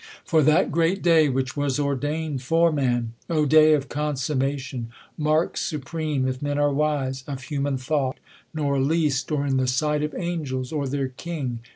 For that great day, w^hich was ordain'd for man ? "O day of consummation ! Mark supreme (If men are wise) of human thought ! nor least, Or in the sight of angels, or their King